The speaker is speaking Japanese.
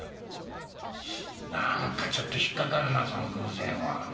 なんかちょっと引っかかるなその偶然は。